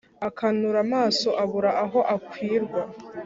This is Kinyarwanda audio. Akanura amaso abura aho akwirwa.